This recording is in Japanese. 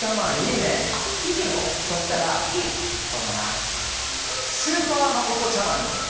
そしたらそうだなスーパーまことちゃマンにしよう。